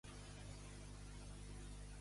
Per què va tornar a Espanya?